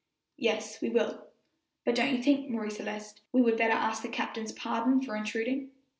"Yes, we will; but don't you think, Marie Celeste, we would better ask the captain's pardon for intruding?"